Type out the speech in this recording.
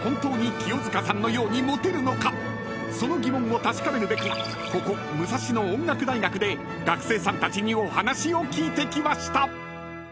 ［その疑問を確かめるべくここ武蔵野音楽大学で学生さんたちにお話を聞いてきました］